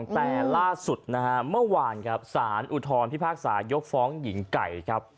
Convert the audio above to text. ทุกวันสานอุทรพิพากษายกฟ้องหญิงไก่